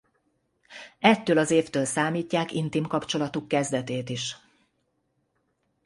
Ettől az évtől számítják intim kapcsolatuk kezdetét is.